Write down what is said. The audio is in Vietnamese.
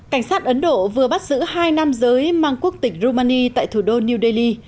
cảnh sát ấn độ vừa bắt giữ hai nam giới mang quốc tịch rumani tại thủ đô new delhi